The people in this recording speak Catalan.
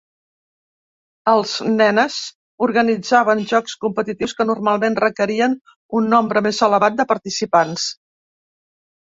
Els nenes organitzaven jocs competitius que normalment requerien un nombre més elevat de participants.